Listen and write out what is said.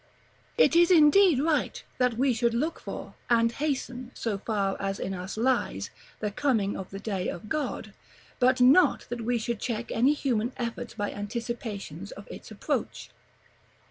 It is indeed right that we should look for, and hasten, so far as in us lies, the coming of the Day of God; but not that we should check any human efforts by anticipations of its approach.